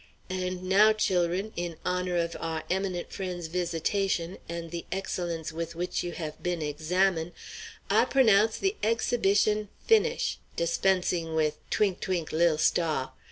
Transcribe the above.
And now, chil'run, in honor of our eminent friend's visitation, and of the excellence with which you have been examine', I p'onounce the exhibition finish' dispensing with 'Twink', twink' lil stah.'